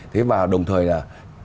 thế và đồng thời là